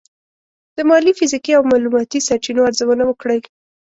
د مالي، فزیکي او معلوماتي سرچینو ارزونه وکړئ.